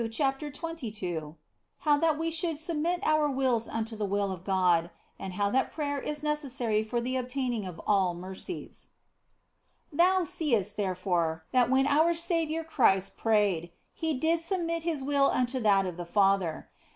CHAPTER XXII HOW THAT WE SHOULD SUBMIT OUR WILLS UNTO THE WILL OF GOD, AND HOW THAT PRAYER IS NECESSARY FOR THE OBTAINING OF ALL MERCIES THOU seest, therefore, that when our Saviour Christ prayed, He did submit His will unto that of the Father.